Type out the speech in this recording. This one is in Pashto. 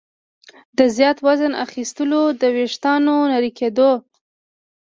د زیات وزن اخیستلو، د ویښتانو نري کېدو